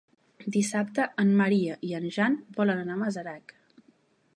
Dissabte en Maria i en Jan volen anar a Masarac.